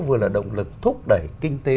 vừa là động lực thúc đẩy kinh tế